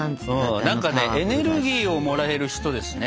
何かねエネルギーをもらえる人ですね。